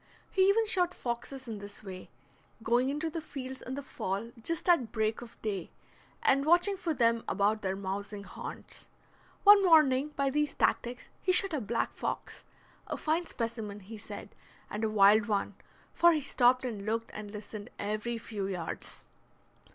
He even shot foxes in this way, going into the fields in the fall just at break of day, and watching for them about their mousing haunts. One morning, by these tactics, he shot a black fox; a fine specimen, he said, and a wild one, for he stopped and looked and listened every few yards.